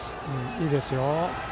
いいですよ。